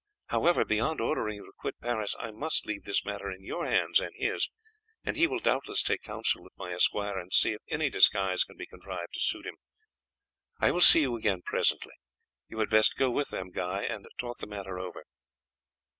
However, beyond ordering you to quit Paris, I must leave this matter in your hands and his, and he will doubtless take counsel with my esquire and see if any disguise can be contrived to suit him. I will see you again presently. You had best go with them, Guy, and talk the matter over."